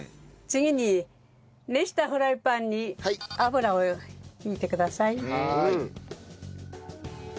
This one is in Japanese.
次に熱したフライパンに油を引いてください。